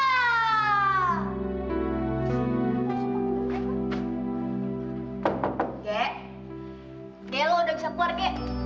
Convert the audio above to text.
g g lo udah bisa keluar g